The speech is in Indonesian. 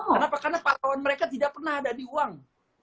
kenapa karena pahlawan mereka tidak pernah ada di uang